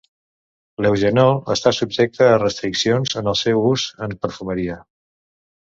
L'eugenol està subjecte a restriccions en el seu ús en perfumeria.